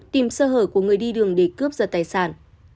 tìm sơ hở của người đi đường để cướp giật tài sản